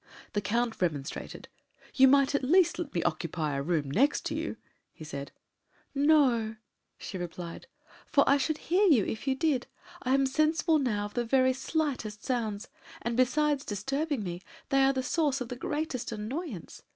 The Count remonstrated. "You might at least let me occupy the room next to you!" he said. "No," she replied; "I should hear you if you did. I am sensible now of the very slightest sounds, and besides disturbing me, they are a source of the greatest annoyance.